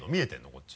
こっち。